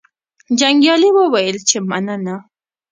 جنګیالي وویل چې مننه.